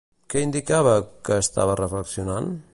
Què indicava que estava reflexionant?